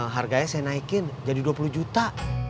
harganya saya naikin jadi dua puluh juta